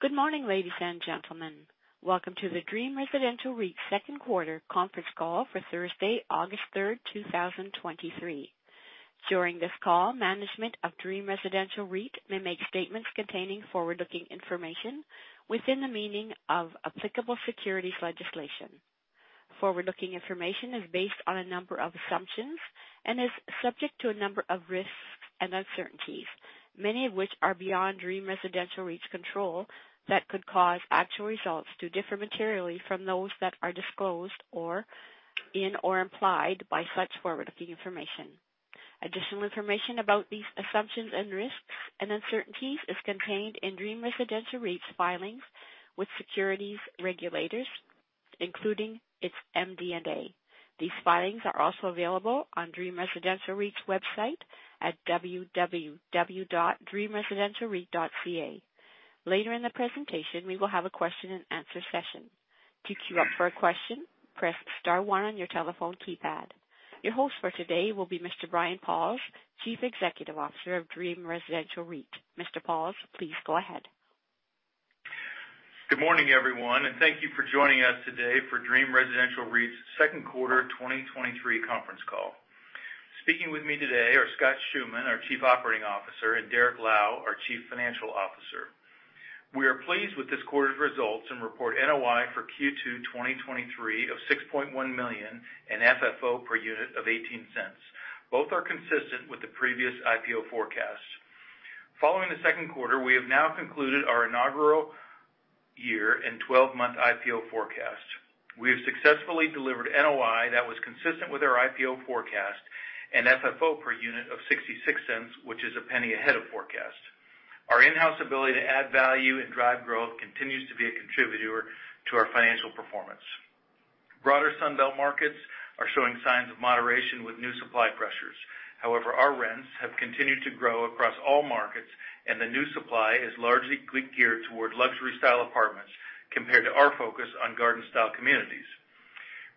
Good morning, ladies and gentlemen. Welcome to the Dream Residential REIT second quarter conference call for Thursday, August 3, 2023. During this call, management of Dream Residential REIT may make statements containing forward-looking information within the meaning of applicable securities legislation. Forward-looking information is based on a number of assumptions and is subject to a number of risks and uncertainties, many of which are beyond Dream Residential REIT's control, that could cause actual results to differ materially from those that are disclosed or in or implied by such forward-looking information. Additional information about these assumptions and risks and uncertainties is contained in Dream Residential REIT's filings with securities regulators, including its MD&A. These filings are also available on Dream Residential REIT's website at www.dreamresidentialreit.ca. Later in the presentation, we will have a question-and-answer session. To queue up for a question, press star one on your telephone keypad. Your host for today will be Mr. Brian Pauls, Chief Executive Officer of Dream Residential REIT. Mr. Pauls, please go ahead. Good morning, everyone, and thank you for joining us today for Dream Residential REIT's second quarter 2023 conference call. Speaking with me today are Scott Schoeman, our Chief Operating Officer, and Derrick Lau, our Chief Financial Officer. We are pleased with this quarter's results and report NOI for Q2 2023 of $6.1 million and FFO per unit of $0.18. Both are consistent with the previous IPO forecast. Following the second quarter, we have now concluded our inaugural year and 12-month IPO forecast. We have successfully delivered NOI that was consistent with our IPO forecast and FFO per unit of $0.66, which is $0.01 ahead of forecast. Our in-house ability to add value and drive growth continues to be a contributor to our financial performance. Broader Sun Belt markets are showing signs of moderation with new supply pressures. However, our rents have continued to grow across all markets, and the new supply is largely geared toward luxury-style apartments compared to our focus on garden-style communities.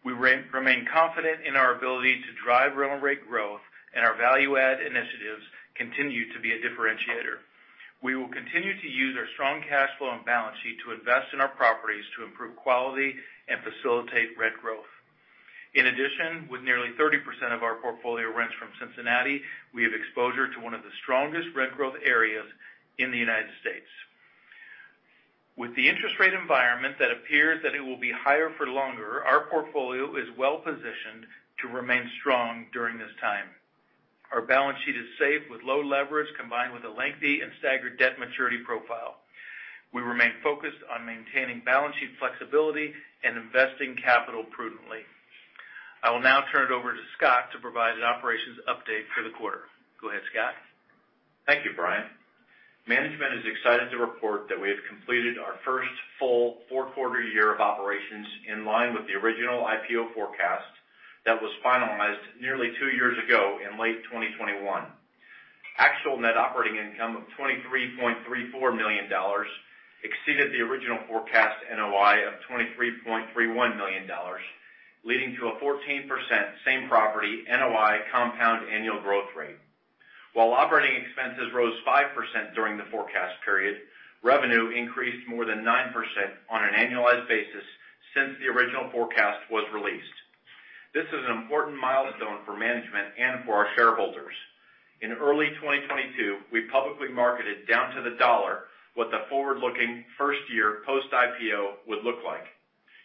We remain confident in our ability to drive rental rate growth, and our value add initiatives continue to be a differentiator. We will continue to use our strong cash flow and balance sheet to invest in our properties to improve quality and facilitate rent growth. In addition, with nearly 30% of our portfolio rents from Cincinnati, we have exposure to one of the strongest rent growth areas in the United States. With the interest rate environment that appears that it will be higher for longer, our portfolio is well positioned to remain strong during this time. Our balance sheet is safe, with low leverage combined with a lengthy and staggered debt maturity profile. We remain focused on maintaining balance sheet flexibility and investing capital prudently. I will now turn it over to Scott to provide an operations update for the quarter. Go ahead, Scott. Thank you, Brian. Management is excited to report that we have completed our 1st full 4-quarter year of operations in line with the original IPO forecast that was finalized nearly 2 years ago in late 2021. Actual net operating income of $23.34 million exceeded the original forecast NOI of $23.31 million, leading to a 14% same property NOI compound annual growth rate. While operating expenses rose 5% during the forecast period, revenue increased more than 9% on an annualized basis since the original forecast was released. This is an important milestone for management and for our shareholders. In early 2022, we publicly marketed, down to the dollar, what the forward-looking 1st year post-IPO would look like.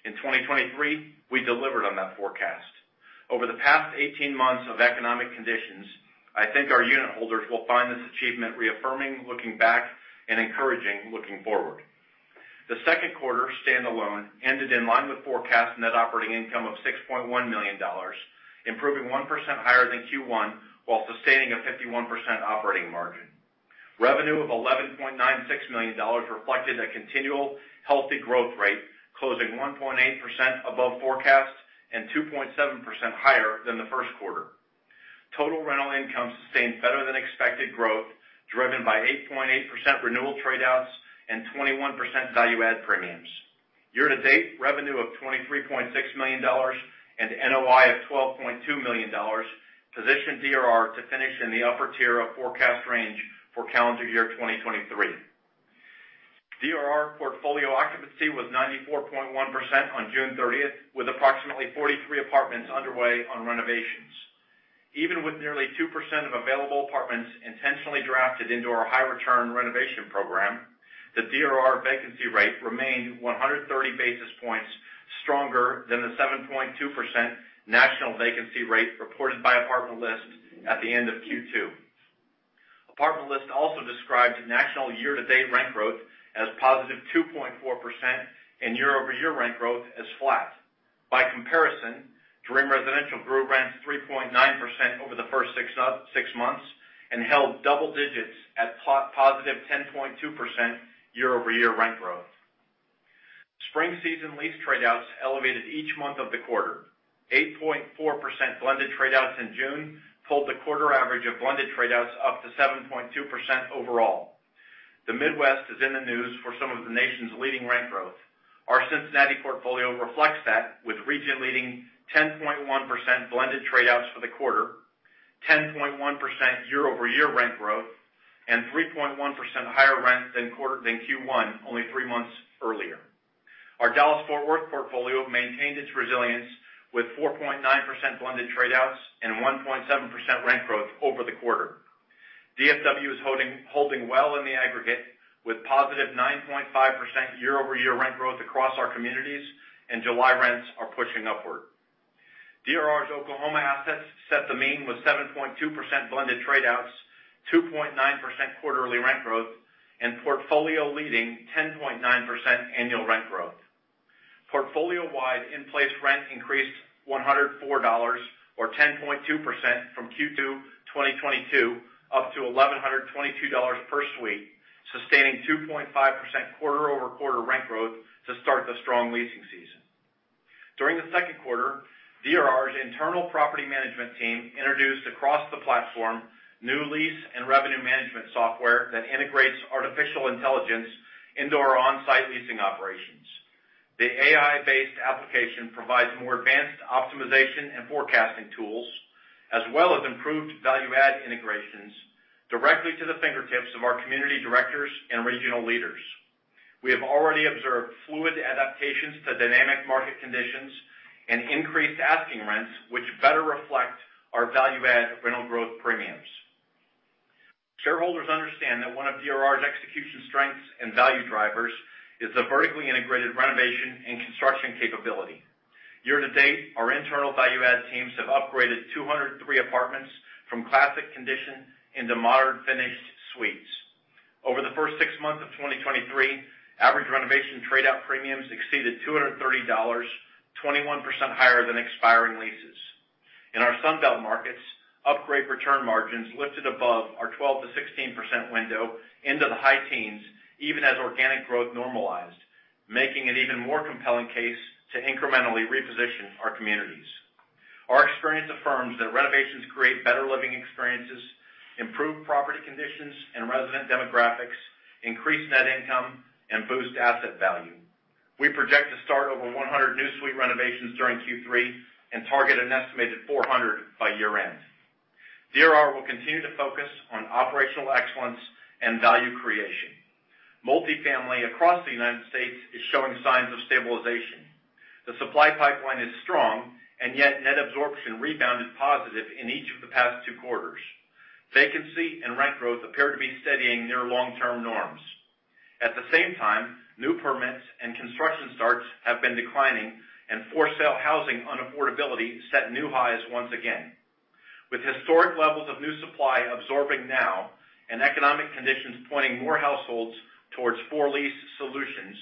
In 2023, we delivered on that forecast. Over the past 18 months of economic conditions, I think our unitholders will find this achievement reaffirming, looking back, and encouraging looking forward. The second quarter standalone ended in line with forecast net operating income of 6.1 million dollars, improving 1% higher than Q1, while sustaining a 51% operating margin. Revenue of 11.96 million dollars reflected a continual healthy growth rate, closing 1.8% above forecast and 2.7% higher than the first quarter. Total rental income sustained better than expected growth, driven by 8.8% renewal trade outs and 21% value add premiums. Year-to-date revenue of 23.6 million dollars and NOI of 12.2 million dollars positioned DRR to finish in the upper tier of forecast range for calendar year 2023. DRR portfolio occupancy was 94.1% on June thirtieth, with approximately 43 apartments underway on renovations. Even with nearly 2% of available apartments intentionally drafted into our high return renovation program, the DRR vacancy rate remained 130 basis points stronger than the 7.2% national vacancy rate reported by Apartment List at the end of Q2. Apartment List also describes national year-to-date rent growth as positive 2.4% and year-over-year rent growth as flat. By comparison, Dream Residential grew rents 3.9% over the first 6 months and held double digits at po-positive 10.2% year-over-year rent growth. Spring season lease tradeouts elevated each month of the quarter. 8.4% blended tradeouts in June pulled the quarter average of blended tradeouts up to 7.2% overall. The Midwest is in the news for some of the nation's leading rent growth. Our Cincinnati portfolio reflects that, with region-leading 10.1% blended tradeouts for the quarter, 10.1% year-over-year rent growth, and 3.1% higher rent than Q1, only 3 months earlier. Our Dallas-Fort Worth portfolio maintained its resilience with 4.9% blended tradeouts and 1.7% rent growth over the quarter. DFW is holding, holding well in the aggregate, with positive 9.5% year-over-year rent growth across our communities, and July rents are pushing upward. DRR's Oklahoma assets set the mean with 7.2% blended tradeouts, 2.9% quarterly rent growth, and portfolio leading 10.9% annual rent growth. Portfolio-wide in-place rent increased $104, or 10.2% from Q2 2022, up to $1,122 per suite, sustaining 2.5% quarter-over-quarter rent growth to start the strong leasing season. During the second quarter, DRR's internal property management team introduced across the platform, new lease and revenue management software that integrates artificial intelligence into our on-site leasing operations. The AI-based application provides more advanced optimization and forecasting tools, as well as improved value add integrations directly to the fingertips of our community directors and regional leaders. We have already observed fluid adaptations to dynamic market conditions and increased asking rents, which better reflect our value add rental growth premiums. Shareholders understand that one of DRR's execution strengths and value drivers is the vertically integrated renovation and construction capability. Year to date, our internal value add teams have upgraded 203 apartments from classic condition into modern finished suites. Over the first six months of 2023, average renovation trade out premiums exceeded $230, 21% higher than expiring leases. In our Sunbelt markets, upgrade return margins lifted above our 12%-16% window into the high teens, even as organic growth normalized, making an even more compelling case to incrementally reposition our communities. Our experience affirms that renovations create better living experiences, improve property conditions and resident demographics, increase net income, and boost asset value. We project to start over 100 new suite renovations during Q3, and target an estimated 400 by year end. DRR will continue to focus on operational excellence and value creation. Multifamily across the United States is showing signs of stabilization. The supply pipeline is strong, and yet net absorption rebounded positive in each of the past two quarters. Vacancy and rent growth appear to be steadying near long-term norms. At the same time, new permits and construction starts have been declining, and for-sale housing unaffordability set new highs once again. With historic levels of new supply absorbing now and economic conditions pointing more households towards for-lease solutions,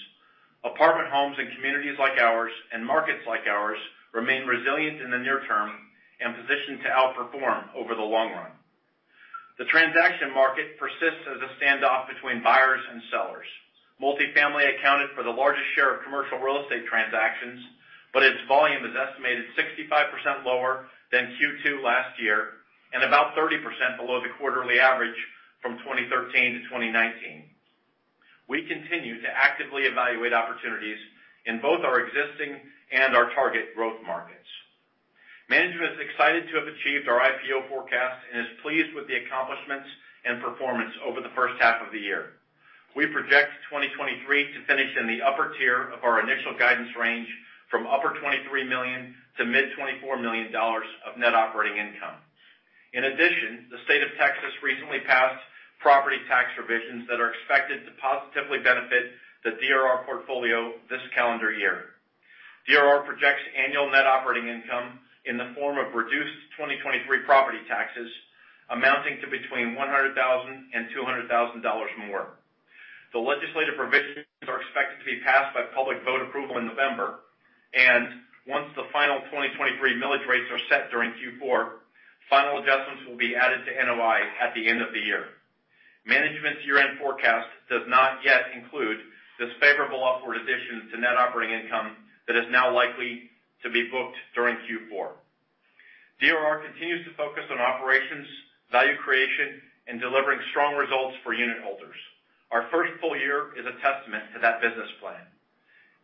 apartment homes and communities like ours and markets like ours remain resilient in the near term and positioned to outperform over the long run. The transaction market persists as a standoff between buyers and sellers. Multifamily accounted for the largest share of commercial real estate transactions, but its volume is estimated 65% lower than Q2 last year, and about 30% below the quarterly average from 2013 to 2019. We continue to actively evaluate opportunities in both our existing and our target growth markets. Management is excited to have achieved our IPO forecast and is pleased with the accomplishments and performance over the first half of the year. We project 2023 to finish in the upper tier of our initial guidance range, from $23 million-$24 million of net operating income. In addition, the state of Texas recently passed property tax revisions that are expected to positively benefit the DRR portfolio this calendar year. DRR projects annual net operating income in the form of reduced 2023 property taxes, amounting to between $100,000 and $200,000 more. The legislative provisions are expected to be passed by public vote approval in November. Once the final 2023 millage rates are set during Q4, final adjustments will be added to NOI at the end of the year. Management's year-end forecast does not yet include this favorable upward addition to net operating income that is now likely to be booked during Q4. DRR continues to focus on operations, value creation, and delivering strong results for unitholders. Our first full year is a testament to that business plan.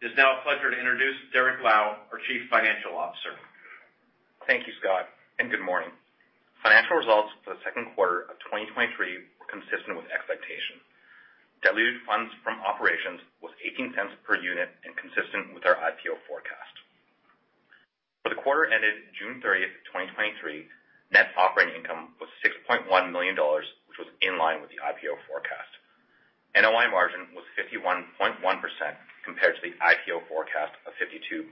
It's now a pleasure to introduce Derrick Lau, our Chief Financial Officer. Thank you, Scott, and good morning. Financial results for the second quarter of 2023 were consistent with expectation. Diluted funds from operations was $0.18 per unit, and consistent with our IPO forecast. For the quarter ended June 30, 2023, net operating income was $6.1 million, which was in line with the IPO forecast. NOI margin was 51.1% compared to the IPO forecast of 52.2%.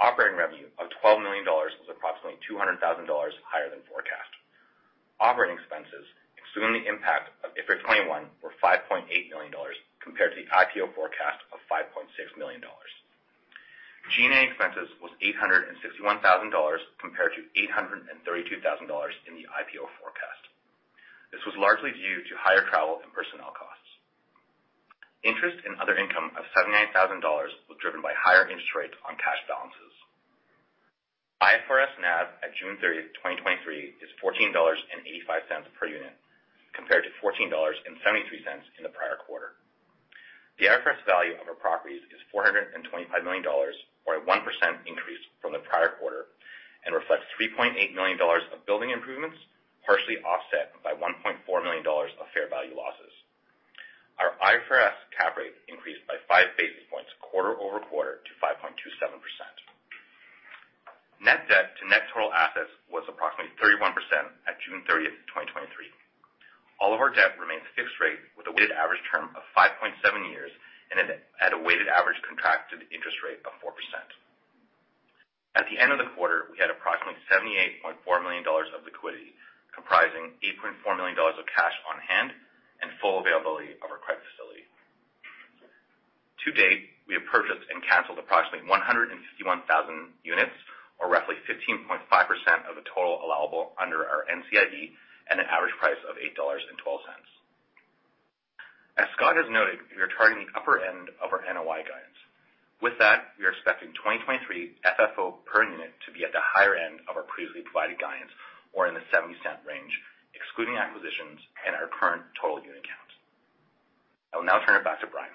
Operating revenue of $12 million was approximately $200,000 higher than forecast. Operating expenses, excluding the impact of IFRIC 21, were $5.8 million, compared to the IPO forecast of $5.6 million. G&A expenses was $861,000, compared to $832,000 in the IPO forecast. This was largely due to higher travel and personnel costs. Interest in other income of $79,000 was driven by higher interest rates on cash balances. IFRS NAV at June 30, 2023, is $14.85 per unit, compared to $14.73 in the prior quarter. The IFRS value of our properties is $425 million, or a 1% increase from the prior quarter, and reflects $3.8 million of building improvements, partially offset by $1.4 million of fair value losses. Our IFRS cap rate increased by 5 basis points quarter-over-quarter to 5.27%. Net debt to net total assets was approximately 31% at June 30, 2023. All of our debt remains fixed rate, with a weighted average term of 5.7 years and at a weighted average contracted interest rate of 4%. At the end of the quarter, we had approximately $78.4 million of liquidity, comprising $8.4 million of cash on hand and full availability of our credit facility. To date, we have purchased and canceled approximately 151,000 units, or roughly 15.5% of the total allowable under our NCIB, at an average price of $8.12. As Scott has noted, we are targeting the upper end of our NOI guidance. With that, we are expecting 2023 FFO per unit to be at the higher end of our previously provided guidance, or in the $0.70 range, excluding acquisitions and our current total unit count. I will now turn it back to Brian.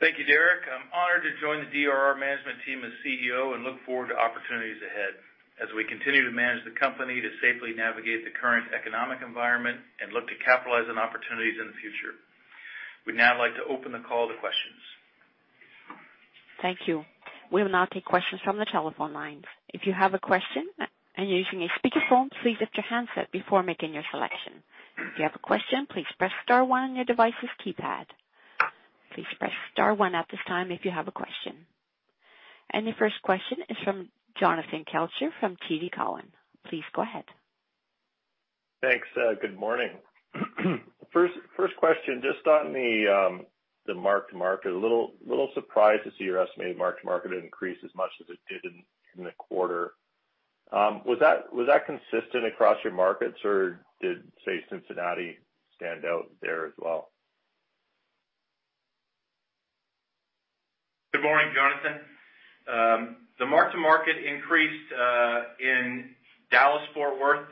Thank you, Derrick. I'm honored to join the DRR management team as CEO and look forward to opportunities ahead as we continue to manage the company to safely navigate the current economic environment and look to capitalize on opportunities in the future. We'd now like to open the call to questions. Thank you. We will now take questions from the telephone lines. If you have a question and you're using a speakerphone, please lift your handset before making your selection. If you have a question, please press star one on your device's keypad. Please press star one at this time if you have a question. The first question is from Jonathan Kelcher from TD Cowen. Please go ahead. Thanks, good morning. First, first question, just on the, the mark-to-market. A little, little surprised to see your estimated mark-to-market increase as much as it did in the quarter. Was that consistent across your markets, or did, say, Cincinnati stand out there as well? Good morning, Jonathan. The mark-to-market increased in Dallas-Fort Worth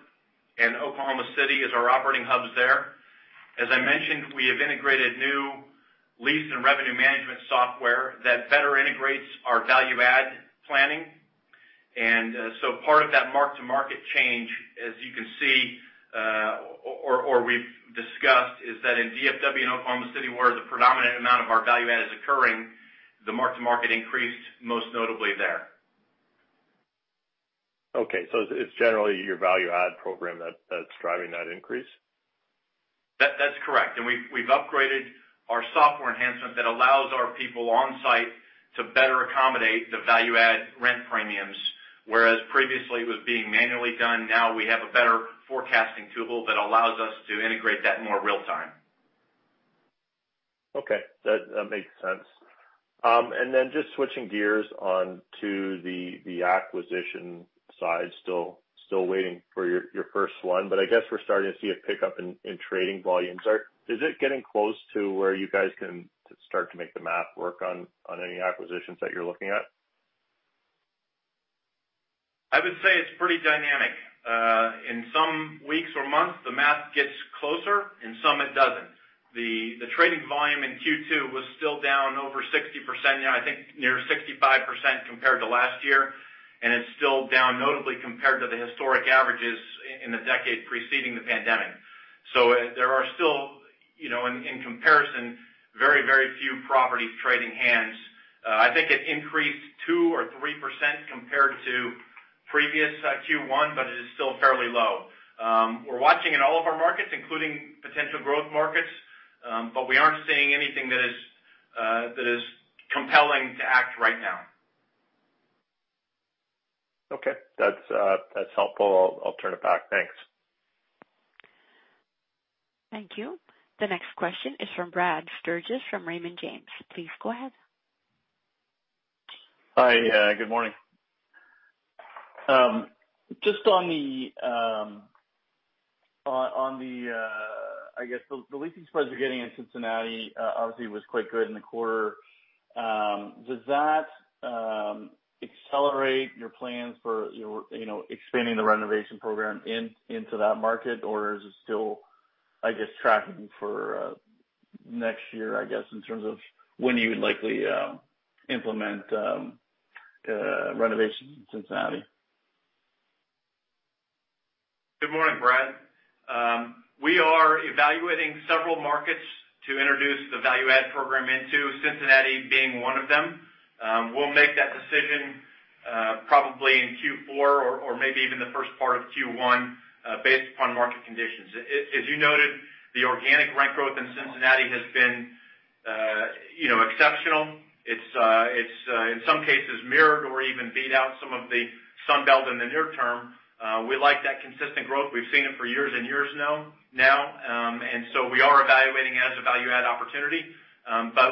and Oklahoma City as our operating hubs there. As I mentioned, we have integrated new lease and revenue management software that better integrates our value add planning. Part of that mark-to-market change, as you can see, or we've discussed, is that in DFW and Oklahoma City, where the predominant amount of our value add is occurring, the mark-to-market increased most notably there. Okay, it's, it's generally your value add program that's, that's driving that increase? That's correct. We've, we've upgraded our software enhancement that allows our people on site to better accommodate the value add rent premiums. Whereas previously it was being manually done, now we have a better forecasting tool that allows us to integrate that more real time. Okay, that, that makes sense. Then just switching gears on to the, the acquisition side. Still, still waiting for your, your first one, but I guess we're starting to see a pickup in, in trading volumes. Is it getting close to where you guys can start to make the math work on, on any acquisitions that you're looking at? I would say it's pretty dynamic. In some weeks or months, the math gets closer, in some it doesn't. The, the trading volume in Q2 was still down over 60%, yeah, I think near 65% compared to last year, and it's still down notably compared to the historic averages in the decade preceding the pandemic. There are still, you know, in, in comparison, very, very few properties trading hands. I think it increased 2% or 3% compared to previous Q1, but it is still fairly low. We're watching in all of our markets, including potential growth markets, but we aren't seeing anything that is that is compelling to act right now. Okay. That's, that's helpful. I'll turn it back. Thanks. Thank you. The next question is from Brad Sturges, from Raymond James. Please go ahead. Hi, good morning. Just on the, I guess the leasing spreads you're getting in Cincinnati, obviously, was quite good in the quarter. Does that accelerate your plans for your, you know, expanding the renovation program into that market? Or is it still, I guess, tracking for next year, I guess, in terms of when you would likely implement renovations in Cincinnati? Good morning, Brad. We are evaluating several markets to introduce the value add program into, Cincinnati being one of them. We'll make that decision, probably in Q4 or maybe even the first part of Q1, based upon market conditions. As you noted, the organic rent growth in Cincinnati has been, you know, exceptional. It's in some cases, mirrored or even beat out some of the Sun Belt in the near term. We like that consistent growth. We've seen it for years and years now. We are evaluating it as a value add opportunity.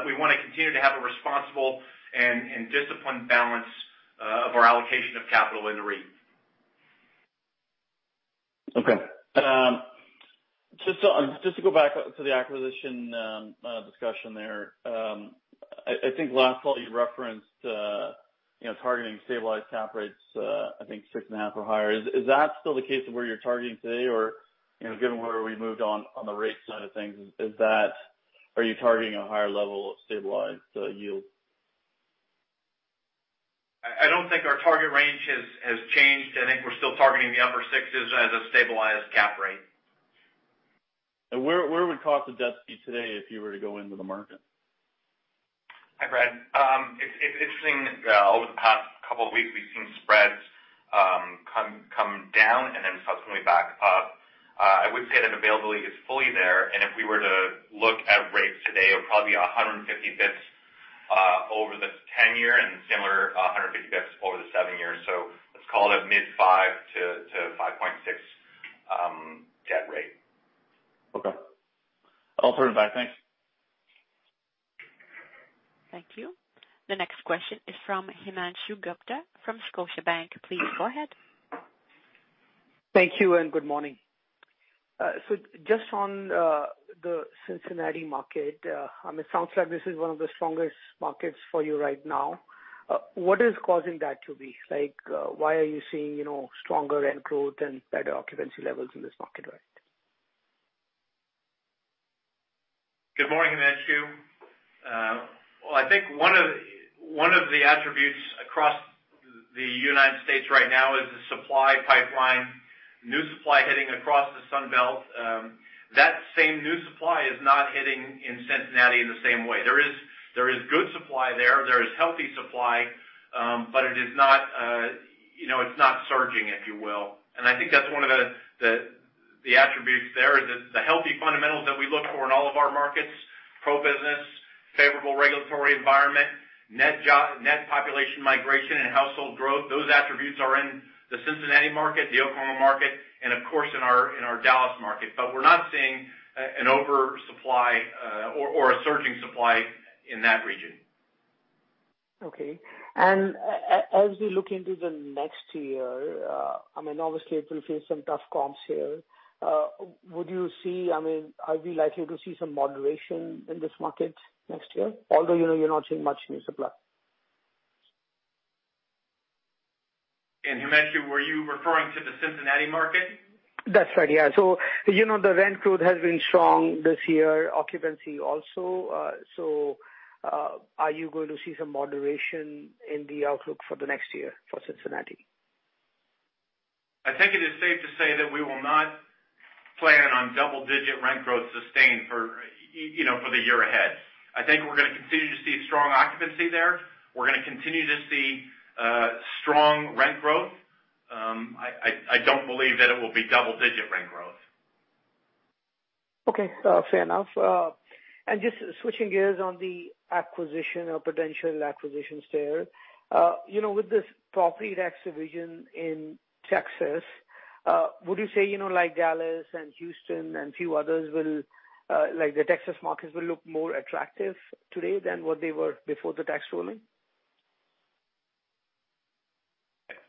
We want to continue to have a responsible and disciplined balance of our allocation of capital in the REIT. Okay. Just to, just to go back to the acquisition discussion there. I think last fall you referenced, you know, targeting stabilized cap rates, I think 6.5 or higher. Is that still the case of where you're targeting today? Or, you know, given where we moved on the rate side of things, are you targeting a higher level of stabilized yield? I don't think our target range has, has changed. I think we're still targeting the upper sixes as a stabilized cap rate. Where, where would cost of debt be today if you were to go into the market? Hi, Brad. It's, it's interesting, over the past couple of weeks, we've seen spreads, come, come down and then subsequently back up. I would say that availability is fully there, and if we were to look at rates today, it would probably be 150 basis points over the 10-year and similar, 150 basis points over the 7 years. Let's call it mid 5%-5.6% debt rate. Okay. I'll turn it back. Thanks. Thank you. The next question is from Himanshu Gupta from Scotiabank. Please go ahead. Thank you, and good morning. Just on the Cincinnati market, I mean, it sounds like this is one of the strongest markets for you right now. What is causing that to be? Like, why are you seeing, you know, stronger rent growth and better occupancy levels in this market right now? Good morning, Himanshu. Well, I think one of the, one of the attributes across the United States right now is the supply pipeline. New supply hitting across the Sun Belt. That same new supply is not hitting in Cincinnati in the same way. There is, there is good supply there. There is healthy supply, it is not, you know, it's not surging, if you will. I think that's one of the, the, the attributes there, is that the healthy fundamentals that we look for in all of our markets, pro-business, favorable regulatory environment, net population migration and household growth, those attributes are in the Cincinnati market, the Oklahoma market, and of course, in our, in our Dallas market. We're not seeing an oversupply, or, or a surging supply in that region. Okay. As we look into the next year, I mean, obviously it will face some tough comps here. Would you see, I mean, are we likely to see some moderation in this market next year, although, you know, you're not seeing much new supply? Himanshu, were you referring to the Cincinnati market? That's right, yeah. You know, the rent growth has been strong this year, occupancy also. Are you going to see some moderation in the outlook for the next year for Cincinnati? I think it is safe to say that we will not plan on double-digit rent growth sustained for, you know, for the year ahead. I think we're gonna continue to see strong occupancy there. We're gonna continue to see strong rent growth. I don't believe that it will be double-digit rent growth. Okay, fair enough. Just switching gears on the acquisition or potential acquisitions there, you know, with this property tax revision in Texas, would you say, you know, like Dallas and Houston and a few others will, like, the Texas markets will look more attractive today than what they were before the tax ruling?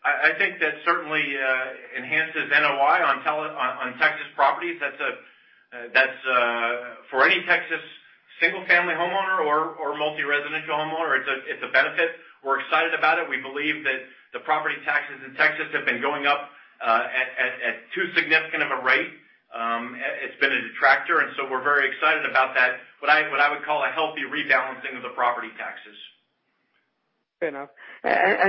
I think that certainly enhances NOI on Texas properties. That's, that's for any Texas single-family homeowner or multi-residential homeowner, it's a benefit. We're excited about it. We believe that the property taxes in Texas have been going up at too significant of a rate. It's been a detractor, and so we're very excited about that, what I would call a healthy rebalancing of the property taxes. Fair enough.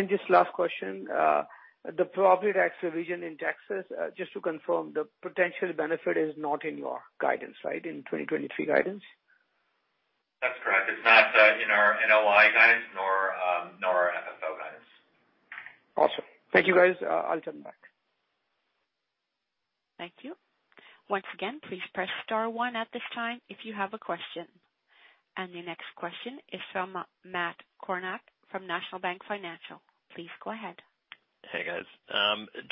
Just last question, the property tax revision in Texas, just to confirm, the potential benefit is not in your guidance, right, in 2023 guidance? That's correct. It's not in our NOI guidance nor nor our FFO guidance. Awesome. Thank you, guys. I'll turn back. Thank you. Once again, please press star one at this time if you have a question. The next question is from Matt Kornack from National Bank Financial. Please go ahead. Hey, guys.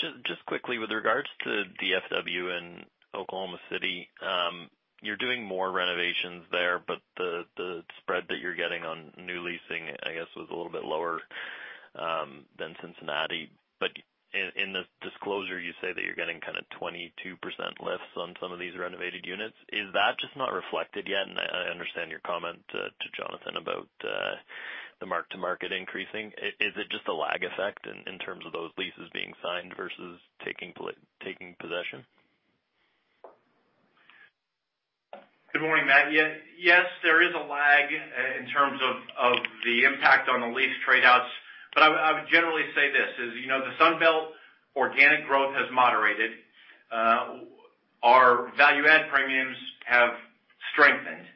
Just, just quickly with regards to DFW and Oklahoma City, you're doing more renovations there, but the, the spread that you're getting on new leasing, I guess, was a little bit lower than Cincinnati. In, in the disclosure, you say that you're getting kind of 22% lifts on some of these renovated units. Is that just not reflected yet? I understand your comment to Jonathan about the mark-to-market increasing. Is, is it just a lag effect in, in terms of those leases being signed versus taking possession? Good morning, Matt. Yes, there is a lag in terms of the impact on the lease trade outs, I would, I would generally say this, is, you know, the Sun Belt organic growth has moderated. Our value add premiums have strengthened.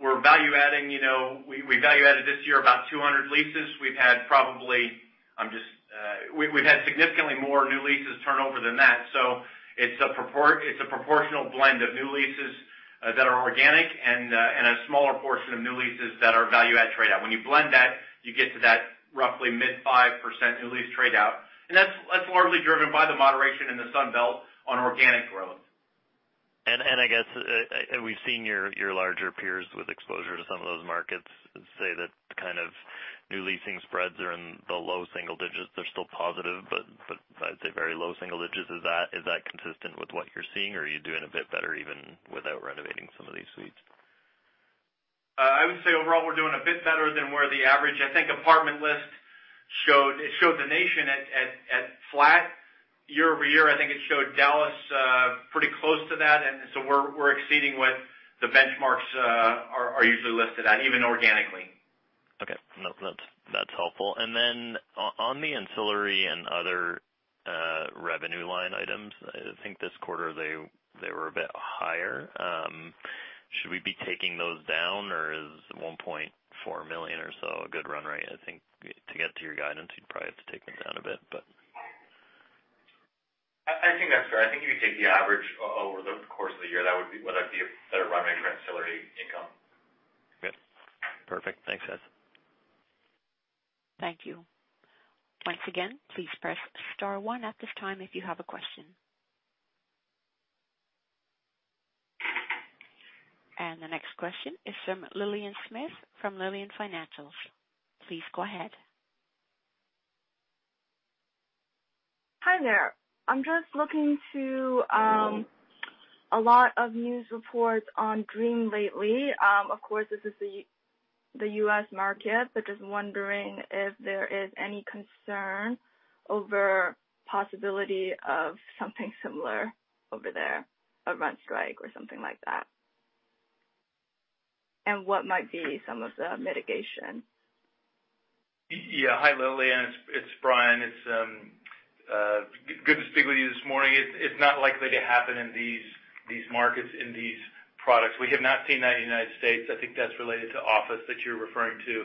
We're value adding, you know, we, we value added this year about 200 leases. We've had probably... I'm just, we've, we've had significantly more new leases turn over than that, so it's a proportional blend of new leases that are organic and a smaller portion of new leases that are value add trade out. When you blend that, you get to that roughly mid-5% new lease trade out, and that's, that's largely driven by the moderation in the Sun Belt on organic growth. I guess, we've seen your, your larger peers with exposure to some of those markets say the same leasing spreads are in the low single digits. They're still positive, but, but I'd say very low single digits. Is that, is that consistent with what you're seeing, or are you doing a bit better even without renovating some of these suites? I would say overall, we're doing a bit better than where the average-- I think Apartment List showed, it showed the nation at flat year-over-year. I think it showed Dallas pretty close to that. So we're, we're exceeding what the benchmarks are usually listed at, even organically. Okay. No, that's, that's helpful. Then on, on the ancillary and other revenue line items, I think this quarter, they, they were a bit higher. Should we be taking those down, or is $1.4 million or so a good run rate? I think to get to your guidance, you'd probably have to take them down a bit, but. I think that's fair. I think if you take the average over the course of the year, that would be what I'd be a better run rate for ancillary income. Okay. Perfect. Thanks, guys. Thank you. Once again, please press star one at this time if you have a question. The next question is from Lillian Smith, from Lillian Financials. Please go ahead. Hi there. A lot of news reports on DREAM lately. Of course, this is the U.S. market. Just wondering if there is any concern over possibility of something similar over there, a rent strike or something like that? What might be some of the mitigation? Yeah. Hi, Lillian. It's, it's Brian. It's good to speak with you this morning. It's, it's not likely to happen in these, these markets, in these products. We have not seen that in the United States. I think that's related to office that you're referring to.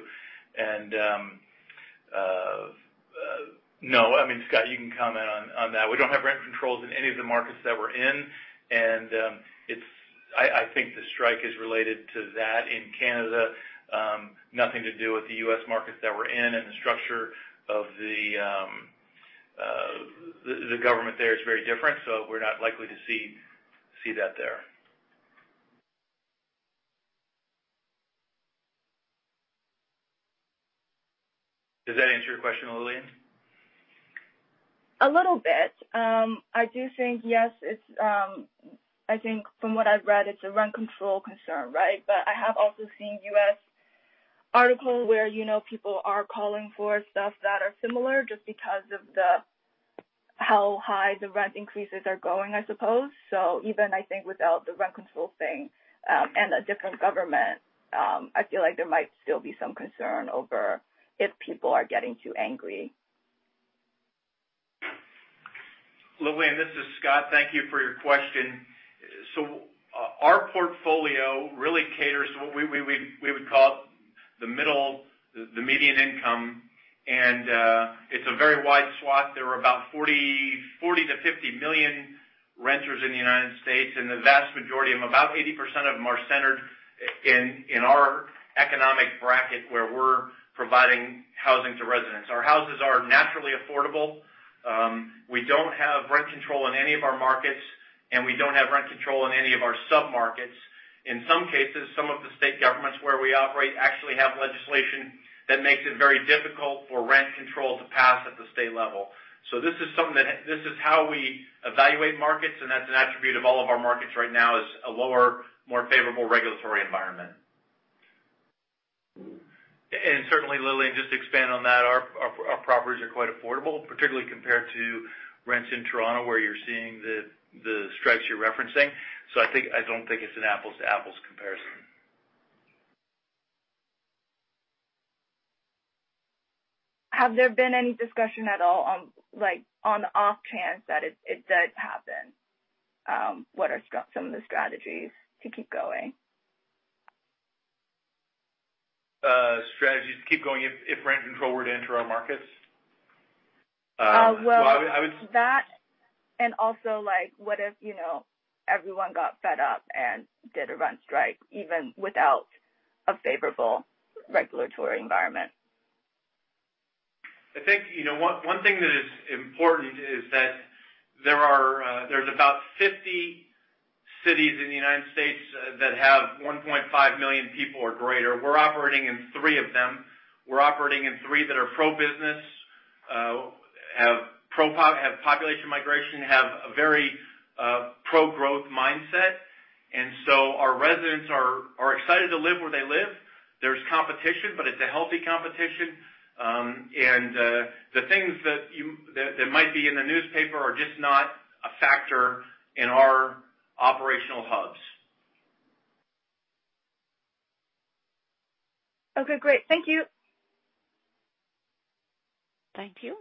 No, I mean, Scott, you can comment on, on that. We don't have rent controls in any of the markets that we're in, and it's I think the strike is related to that in Canada. Nothing to do with the U.S. markets that we're in, and the structure of the, the government there is very different, so we're not likely to see, see that there. Does that answer your question, Lillian? A little bit. I do think, yes, I think from what I've read, it's a rent control concern, right? I have also seen U.S. article where, you know, people are calling for stuff that are similar, just because of how high the rent increases are going, I suppose. Even I think without the rent control thing, and a different government, I feel like there might still be some concern over if people are getting too angry. Lillian, this is Scott. Thank you for your question. Our portfolio really caters to what we, we, we, we would call the middle, the median income, and it's a very wide swath. There are about 40 million-50 million renters in the United States, and the vast majority of them, about 80% of them, are centered in, in our economic bracket, where we're providing housing to residents. Our houses are naturally affordable. We don't have rent control in any of our markets, and we don't have rent control in any of our sub-markets. In some cases, some of the state governments where we operate actually have legislation that makes it very difficult for rent control to pass at the state level. This is something that this is how we evaluate markets, and that's an attribute of all of our markets right now, is a lower, more favorable regulatory environment. Certainly, Lillian, just to expand on that, our, our, our properties are quite affordable, particularly compared to rents in Toronto, where you're seeing the, the strikes you're referencing. I don't think it's an apples-to-apples comparison. Have there been any discussion at all on, like, on the off chance that it does happen? What are some of the strategies to keep going? Strategies to keep going if rent control were to enter our markets? Well, I would- That, and also, like, what if, you know, everyone got fed up and did a rent strike, even without a favorable regulatory environment? I think, you know, one, one thing that is important is that there are, there's about 50 cities in the United States that have 1.5 million people or greater. We're operating in three of them. We're operating in three that are pro-business, have population migration, have a very pro-growth mindset, and so our residents are, are excited to live where they live. There's competition, but it's a healthy competition. And the things that that might be in the newspaper are just not a factor in our operational hubs. Okay, great. Thank you. Thank you.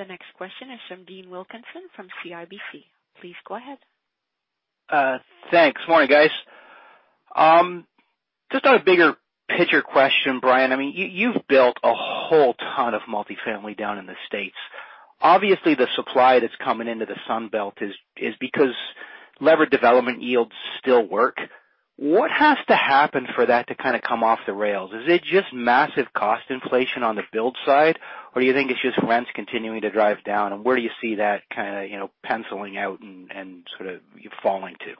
The next question is from Dean Wilkinson, from CIBC. Please go ahead. Thanks. Morning, guys. Just on a bigger picture question, Brian, I mean, you, you've built a whole ton of multifamily down in the States. Obviously, the supply that's coming into the Sun Belt is, is because levered development yields still work. What has to happen for that to kind of come off the rails? Is it just massive cost inflation on the build side, or do you think it's just rents continuing to drive down? Where do you see that kind of, you know, penciling out and sort of falling to?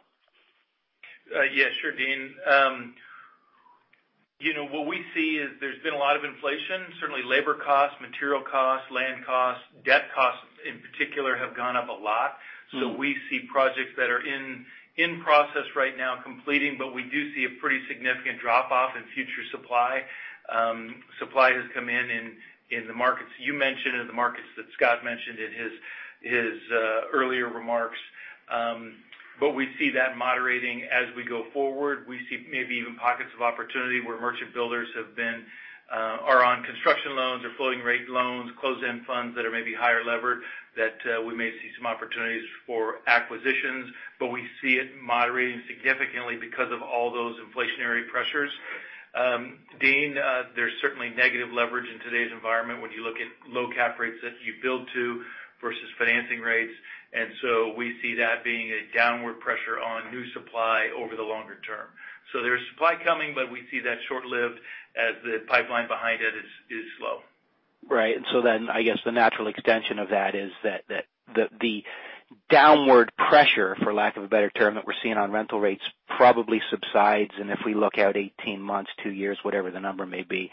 Yeah, sure, Dean. You know, what we see is there's been a lot of inflation, certainly labor costs, material costs, land costs, debt costs, in particular, have gone up a lot. We see projects that are in process right now completing, but we do see a pretty significant drop-off in future supply. Supply has come in the markets you mentioned, and the markets that Scott mentioned in his earlier remarks. We see that moderating as we go forward. We see maybe even pockets of opportunity where merchant builders have been, are on construction loans or floating rate loans, closed-end funds that are maybe higher lever, that, we may see some opportunities for acquisitions. We see it moderating significantly because of all those inflationary pressures. Dean, there's certainly negative leverage in today's environment when you look at low cap rates that you build to versus financing rates. We see that being a downward pressure on new supply over the longer term. There's supply coming, but we see that short-lived as the pipeline behind it is, is slow. Right. I guess the natural extension of that is that the downward pressure, for lack of a better term, that we're seeing on rental rates, probably subsides. If we look out 18 months, two years, whatever the number may be,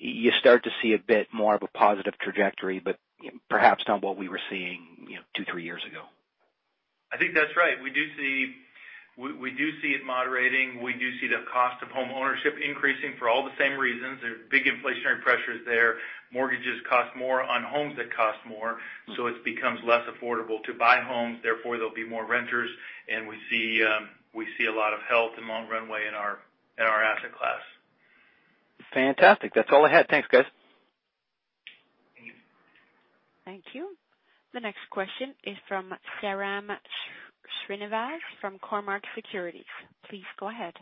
you start to see a bit more of a positive trajectory, but perhaps not what we were seeing, you know, two, three years ago. I think that's right. We do see it moderating. We do see the cost of homeownership increasing for all the same reasons. There are big inflationary pressures there. Mortgages cost more on homes that cost more. It becomes less affordable to buy homes, therefore, there'll be more renters. We see a lot of health and long runway in our, in our asset class. Fantastic. That's all I had. Thanks, guys. Thank you. The next question is from Sairam Srinivas from Cormark Securities. Please go ahead.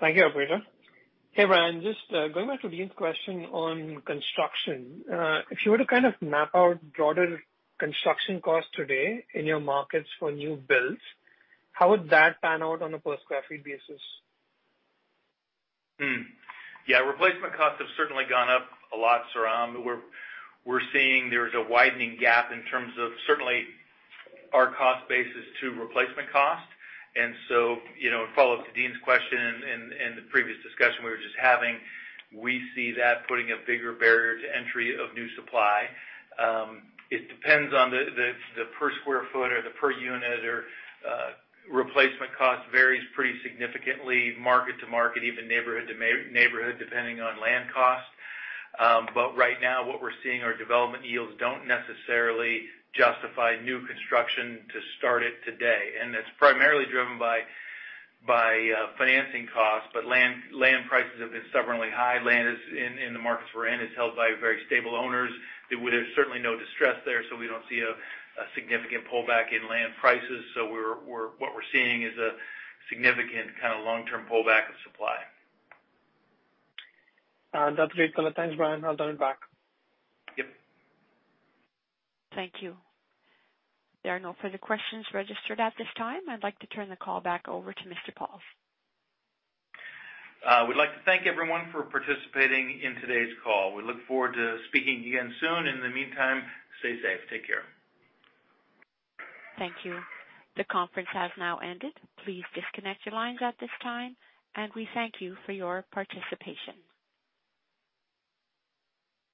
Thank you, operator. Hey, Brian, just going back to Dean's question on construction. If you were to kind of map out broader construction costs today in your markets for new builds, how would that pan out on a per-square-feet basis? Hmm. Yeah, replacement costs have certainly gone up a lot, Sairam. We're, we're seeing there's a widening gap in terms of certainly our cost basis to replacement cost. So, you know, a follow-up to Dean's question in, in, in the previous discussion we were just having, we see that putting a bigger barrier to entry of new supply. It depends on the, the, the per square foot or the per unit or replacement cost varies pretty significantly market to market, even neighborhood to neighborhood, depending on land cost. Right now, what we're seeing are development yields don't necessarily justify new construction to start it today. That's primarily driven by, by financing costs, but land, land prices have been stubbornly high. Land is... In, in the markets we're in, is held by very stable owners. There's certainly no distress there. We don't see a significant pullback in land prices. What we're seeing is a significant kind of long-term pullback of supply. That's great. Thanks, Brian. I'll turn it back. Yep. Thank you. There are no further questions registered at this time. I'd like to turn the call back over to Mr. Pauls. We'd like to thank everyone for participating in today's call. We look forward to speaking again soon. In the meantime, stay safe. Take care. Thank you. The conference has now ended. Please disconnect your lines at this time, and we thank you for your participation.